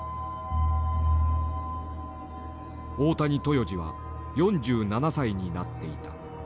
大谷豊二は４７歳になっていた。